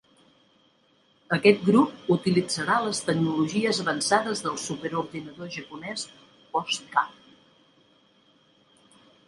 Aquest grup utilitzarà les tecnologies avançades del súper ordinador japonès Post-K.